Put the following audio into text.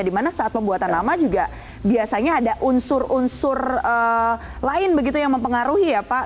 dimana saat pembuatan nama juga biasanya ada unsur unsur lain begitu yang mempengaruhi ya pak